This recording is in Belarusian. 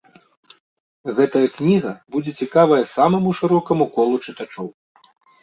Гэтая кніга будзе цікавая самаму шырокаму колу чытачоў.